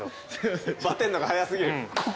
バテるのが早過ぎる。